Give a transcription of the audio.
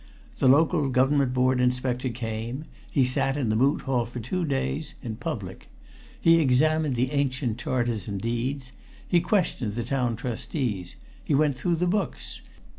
The Local Government Board inspector came. He sat in the Moot Hall for two days, in public. He examined the ancient charters and deeds. He questioned the Town Trustees. He went through the books.